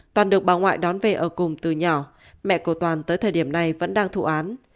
toàn được bà ngoại đón về ở cùng từ nhỏ mẹ của toàn tới thời điểm này vẫn đang thụ án